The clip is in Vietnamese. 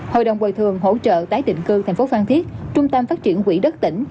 hội đồng bồi thường hỗ trợ tái định cư thành phố phan thiết trung tâm phát triển quỹ đất tỉnh